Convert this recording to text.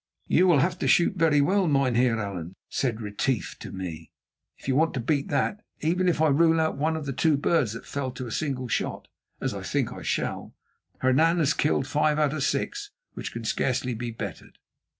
"You will have to shoot very well, Mynheer Allan," said Retief to me, "if you want to beat that. Even if I rule out one of the two birds that fell to a single shot, as I think I shall, Hernan has killed five out of six, which can scarcely be bettered."